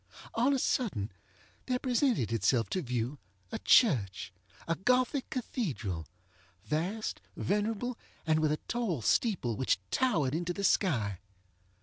On a sudden, there presented itself to view a churchŌĆöa Gothic cathedralŌĆövast, venerable, and with a tall steeple, which towered into the sky.